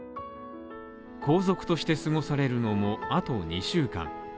皇族として過ごされるのもあと２週間。